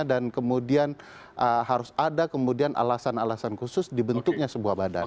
dan kemudian harus ada kemudian alasan alasan khusus dibentuknya sebuah badan